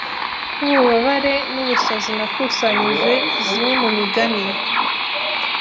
nkububabare nubusazi nakusanyije zimwe mu migani